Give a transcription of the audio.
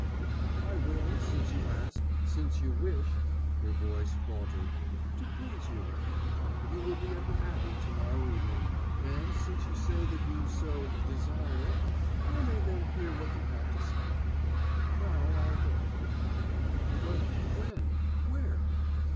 "I will, since you ask, since you wish" her voice faltered "to please you. You will be at the Abbey to morrow evening. And, since you say that you so desire it, I may then hear what you have to say. Now I'll go." "But when where